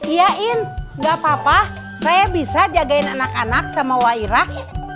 iya in gak apa apa saya bisa jagain anak anak sama wah irah